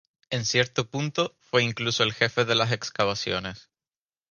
En cierto punto, fue incluso el jefe de las excavaciones.